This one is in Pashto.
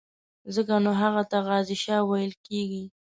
ځکه نو هغه ته غازي شاه ویل کېږي.